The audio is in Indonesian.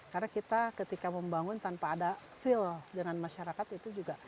karena kita ketika membangun tanpa ada feel dengan masyarakat itu juga